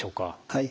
はい。